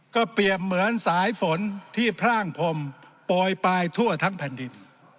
ก็เปรียบเหมือนสายฝนที่พร่างพรมโปรยปลายทั่วทั้งแผ่นดิน